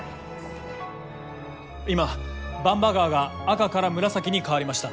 今番場川が赤から紫に変わりました。